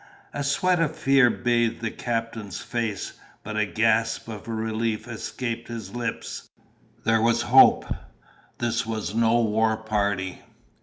A sweat of fear bathed the captain's face, but a gasp of relief escaped his lips. There was hope. This was no war party.